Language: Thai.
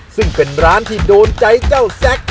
ซึ่งเป็นร้านที่โดนใจเจ้าแซ็ก